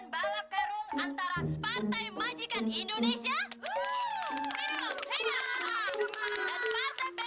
sampai jumpa di video selanjutnya